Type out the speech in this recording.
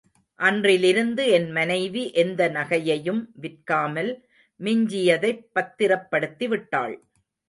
அன்றிலிருந்து என் மனைவி எந்த நகையையும் விற்காமல் மிஞ்சியதைப் பத்திரப்படுத்திவிட்டாள்.